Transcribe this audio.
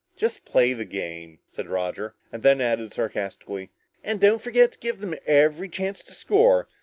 "Just play the game," said Roger. And then added sarcastically, "And don't forget to give them every chance to score.